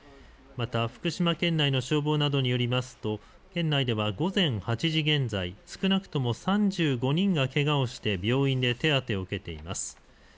また福島県内の消防などによりますと県内では午前８時現在、少なくとも３５人がけがをして病院で手当てを受けています。